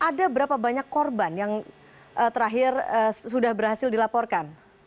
ada berapa banyak korban yang terakhir sudah berhasil dilaporkan